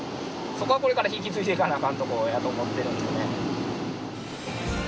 そこはこれから引き継いでいかなあかんところやと思っているのでね。